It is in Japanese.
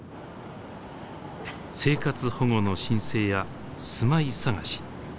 生活保護の申請や住まい探し